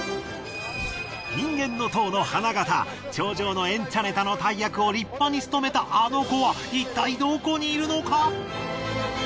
人間の塔の花形頂上のエンチャネタの大役を立派に務めたあの子はいったいどこにいるのか？